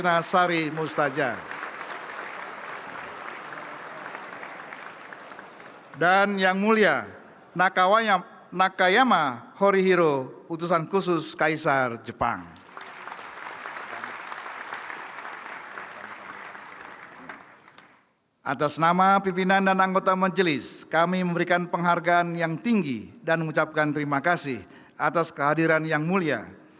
atas nama pimpinan dan anggota majelis kami memberikan penghargaan yang tinggi dan mengucapkan terima kasih atas kehadiran yang mulia